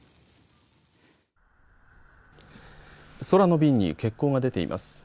空の便に欠航が出ています。